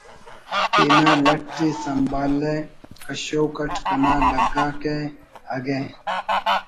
تینا لٹءِ سنبھالہ کشوک اٹ کنا لگاکہ اگہ